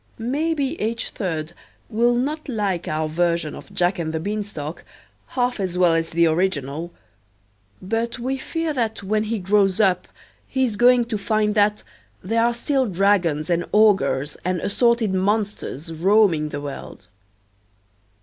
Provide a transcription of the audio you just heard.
Maybe H. 3d will not like our version of "Jack and the Beanstalk" half as well as the original. But we fear that when he grows up he is going to find that there are still dragons and ogres and assorted monsters roaming the world.